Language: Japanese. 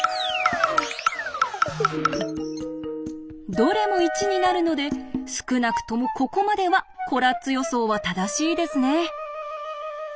どれも１になるので少なくともここまではコラッツ予想は正しいですね。